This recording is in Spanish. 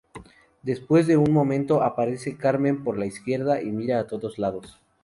Después de un momento aparece Carmen por la izquierda y mira a todos lados.